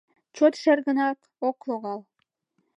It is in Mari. Чот шергынат ок логал.